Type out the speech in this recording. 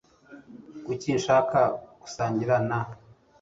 Kuki nshaka gusangira na ?